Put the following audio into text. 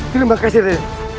terima kasih raden